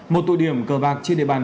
một tội điểm cờ bạc trên địa bàn